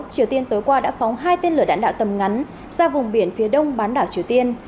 triều tiên tối qua đã phóng hai tên lửa đạn đạo tầm ngắn ra vùng biển phía đông bán đảo triều tiên